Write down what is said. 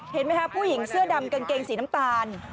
เห็นไหมคะผู้หญิงเสื้อดำกางเกงสีน้ำตาล